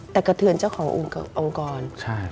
แต่กระเทือนเจ้าขององค์กร